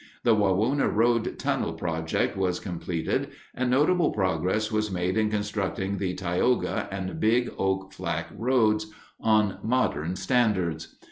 The Wawona Road tunnel project was completed, and notable progress was made in constructing the Tioga and Big Oak Flat roads on modern standards.